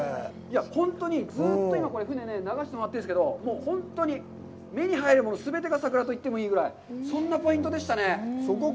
本当にずっと今船ね、流してもらってるんですけど、本当に目に入るもの全てが桜と言ってもいいぐらい、そんなポイントでしたね。